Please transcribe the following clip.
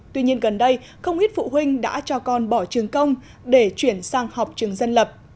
tuy nhiên gần đây không ít phụ huynh đã cho con bỏ trường công để chuyển sang học trường dân lập